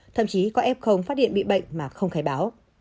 thậm chí có ép không phát hiện bị bệnh mà không khai báo